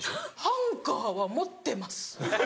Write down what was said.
ハンガーは持ってます。